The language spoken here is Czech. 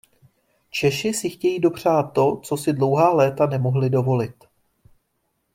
Češi si chtějí dopřát to, co si dlouhá léta nemohli dovolit.